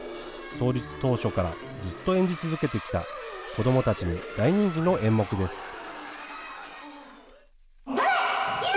創立当初からずっと演じ続けてきた、子どもたちに大人気の演目です。